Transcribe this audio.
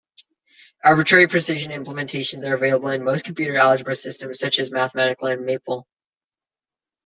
Arbitrary-precision implementations are available in most computer algebra systems, such as Mathematica and Maple.